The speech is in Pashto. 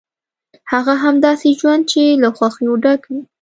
هغه هم داسې ژوند چې له خوښیو ډک وي.